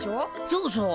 そうそう。